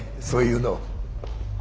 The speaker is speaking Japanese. そういうの。